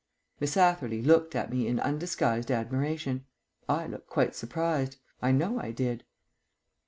Miss Atherley looked at me in undisguised admiration. I looked quite surprised I know I did.